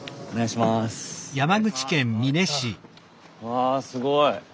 わすごい！